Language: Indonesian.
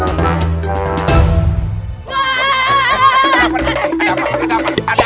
aduh paham deh maaf banget tadi